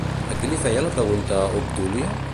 A qui li feia la pregunta Obdúlia?